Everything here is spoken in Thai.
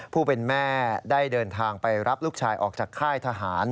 ผู้เป็นแม่ได้เดินทางไปรับลูกชายออกจากค่ายทหาร